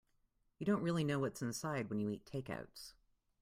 You don't really know what's inside when you eat takeouts.